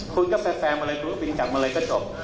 คุณก็แฟร์มาเลยศิลปินกลับมาเลยก็จบ